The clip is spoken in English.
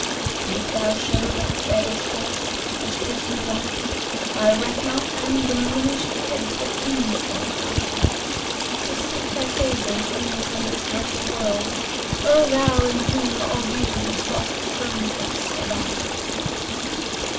And if thou show that fairest face which gives me life, * I reck not an dimimshed heads the Kings go hide. I seek thy favours only from this 'versal world: * O thou in whom all beauty cloth firm fixt abide!'